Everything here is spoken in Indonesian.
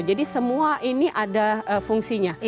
jadi semua ini ada fungsinya